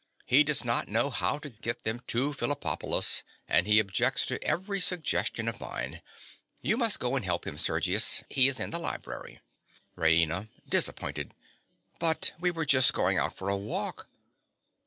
He does not know how to get them to Phillipopolis; and he objects to every suggestion of mine. You must go and help him, Sergius. He is in the library. RAINA. (disappointed). But we are just going out for a walk.